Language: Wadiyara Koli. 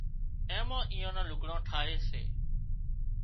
اين مان ايئان نان لگھڙان ٺاهي سي